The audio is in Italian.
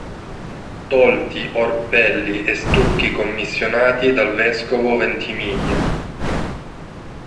Tolti orpelli e stucchi commissionati dal vescovo Ventimiglia.